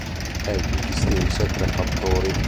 Egli distinse tre fattori.